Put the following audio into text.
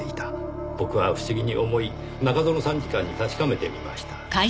僕は不思議に思い中園参事官に確かめてみました。